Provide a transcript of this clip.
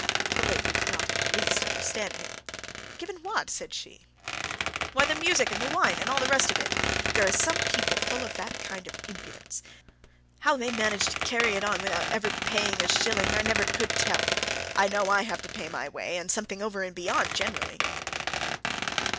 The lady did not in the least understand him. "Given what?" said she. "Why, the music and the wine and all the rest of it. There are some people full of that kind of impudence. How they manage to carry it on without ever paying a shilling, I never could tell. I know I have to pay my way, and something over and beyond generally."